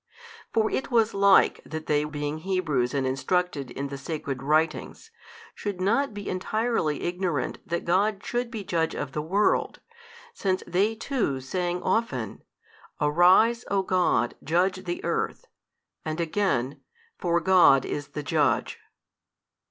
For it was like that they being Hebrews and instructed in the Sacred Writings, should not be entirely ignorant that God should be Judge of the world, since they too sang often, Arise, O God, judge the earth, and again, For God is the Judge.